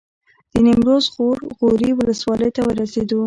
د نیمروز غور غوري ولسوالۍ ته ورسېدو.